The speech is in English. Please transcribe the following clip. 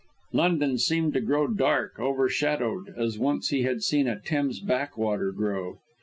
London seemed to grow dark, overshadowed, as once he had seen a Thames backwater grow.